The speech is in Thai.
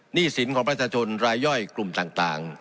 หนี้สินของประชาชนรายย่อยกลุ่มต่าง